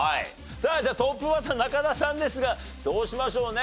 じゃあトップバッター中田さんですがどうしましょうね？